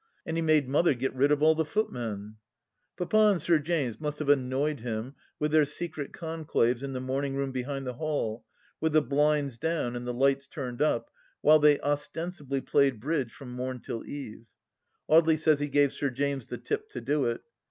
And he made Mother get rid of all the footmen ! Papa and Sir James must have annoyed him with their secret conclaves in the morning room behind the hall, with the blinds down and the lights turned up, while they os tensibly played bridge from morn till eve. Audely says he gave Sir James the tip to do it.